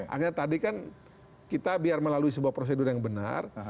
akhirnya tadi kan kita biar melalui sebuah prosedur yang benar